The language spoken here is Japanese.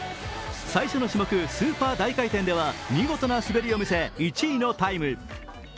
最初の種目・スーパー大回転では見事な滑りを見せ、１位のタイム。